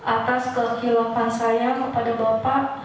atas kehilauan saya kepada bapak